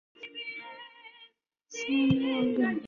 Hijo de un adinerado terrateniente, cursó estudios superiores en Japón.